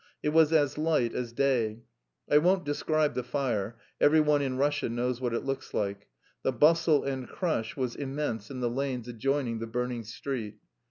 It was as light as day. I won't describe the fire; every one in Russia knows what it looks like. The bustle and crush was immense in the lanes adjoining the burning street.